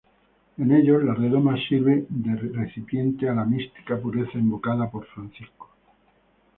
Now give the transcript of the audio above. En ellos la redoma sirve de recipiente a la 'mística pureza' invocada por Francisco.